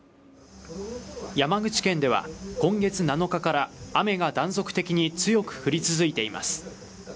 山口県では今月７日から雨が断続的に強く降り続いています。